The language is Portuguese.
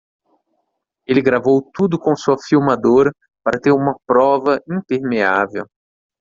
Ele gravou tudo com sua filmadora para ter uma prova impermeável.